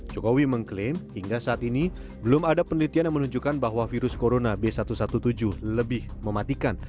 jokowi mengklaim hingga saat ini belum ada penelitian yang menunjukkan bahwa virus corona b satu satu tujuh lebih mematikan